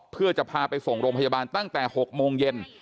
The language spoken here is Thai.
เพื่อจะพาไปส่งโรงพยาบาลตั้งแต่๖โมงเย็น